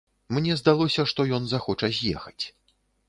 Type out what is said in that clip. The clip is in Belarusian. Мне здалося, што ён захоча з'ехаць.